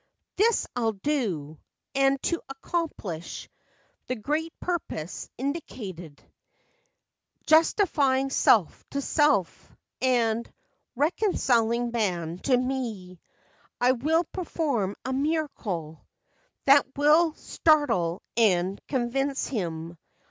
"This I'll do. And to accomplish The great purpose indicated, Justifying self to self, and Reconciling man to me, I will perform a miracle, That will startle and convince him.